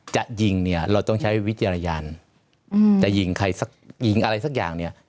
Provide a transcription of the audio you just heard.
จะยิงเนี่ยเราต้องใช้วิจารณญาณจะยิงใครสักยิงอะไรสักอย่างเนี่ย